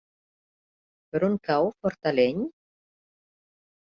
Per on cau Fortaleny?